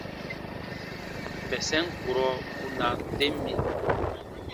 Bɛsɛm kurɔ u na tem mì ?: